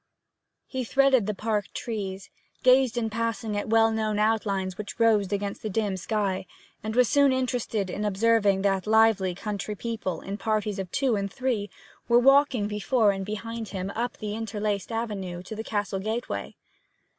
He threaded the park trees, gazed in passing at well known outlines which rose against the dim sky, and was soon interested in observing that lively country people, in parties of two and three, were walking before and behind him up the interlaced avenue to the castle gateway.